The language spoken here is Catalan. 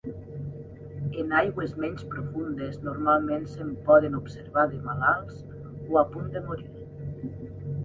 En aigües menys profundes normalment se'n poden observar de malalts o a punt de morir.